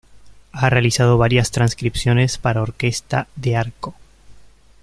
Ha realizado varias transcripciones para Orquesta de Arco.